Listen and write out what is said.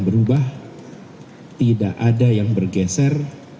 berubah tidak ada yang bergeser